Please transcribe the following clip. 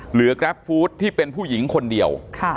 กราฟฟู้ดที่เป็นผู้หญิงคนเดียว